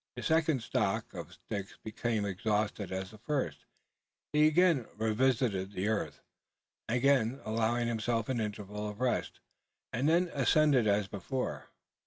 His second stock of sticks becoming exhausted as the first, he again revisited the earth; again allowed himself an interval of rest; and then ascended as before.